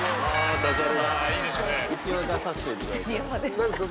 何ですか？